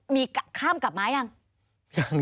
มีข้ามกลับมาหรือยัง